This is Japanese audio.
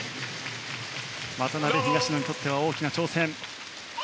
渡辺、東野にとっては大きな挑戦。